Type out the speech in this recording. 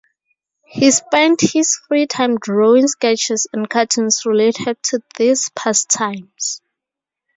He spent his free time drawing sketches and cartoons related to these pastimes.